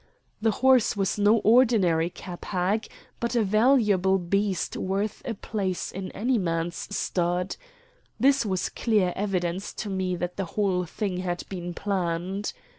The horse was no ordinary cab hack, but a valuable beast worth a place in any man's stud. This was clear evidence to me that the whole thing had been planned.